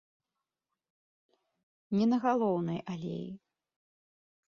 Не на галоўнай алеі.